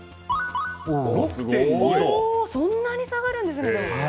そんなに下がるんですね。